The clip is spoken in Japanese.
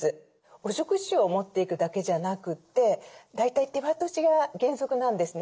お食事を持っていくだけじゃなくて大体手渡しが原則なんですね。